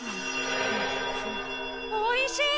おいしい！